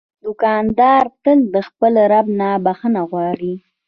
دوکاندار تل د خپل رب نه بخښنه غواړي.